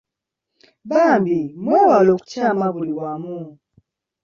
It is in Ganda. Bambi mwewale okukyama buli wamu.